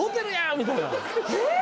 みたいなえっ！？